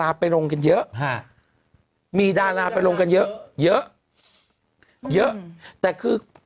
อึกอึกอึกอึก